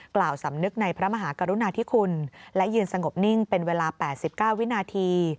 กล่าวสำนึกในพระมหากรุณาธิคุณและยืนสงบนิ่งเป็นเวลา๘๙วินาที